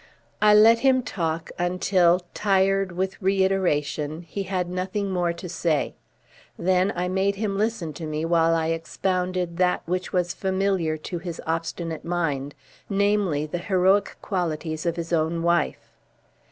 I let him talk, until, tired with reiteration, he had nothing more to say. Then I made him listen to me while I expounded that which was familiar to his obstinate mind namely, the heroic qualities of his own wife.